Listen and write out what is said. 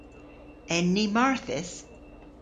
En ni marthys?